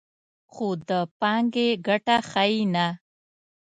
خو د پانګې ګټه ښیي نه